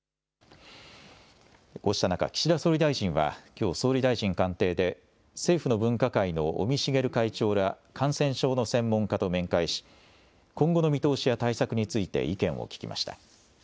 こうした中、岸田総理大臣はきょう、総理大臣官邸で、政府の分科会の尾身茂会長ら感染症の専門家と面会し、今後の見通しや対策について意見を聞きました。